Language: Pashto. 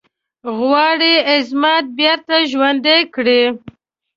غواړي عظمت بیرته ژوندی کړی.